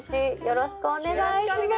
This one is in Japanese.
よろしくお願いします。